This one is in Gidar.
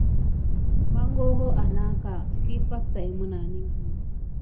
Magoro anaka ɓa defa def menane ékili.